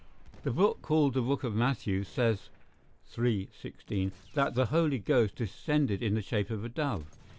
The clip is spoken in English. [The book called the book of Matthew, says, (iii. 16,) that the Holy Ghost descended in the shape of a dove.